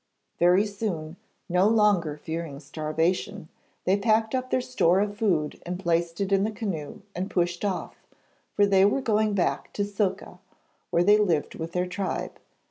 Very soon, no longer fearing starvation, they packed up their store of food and placed it in the canoe and pushed off, for they were going back to Silka where they lived with their tribe.